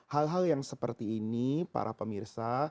hal hal yang seperti ini para pemirsa